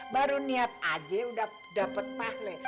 baru niat aja udah dapet pahle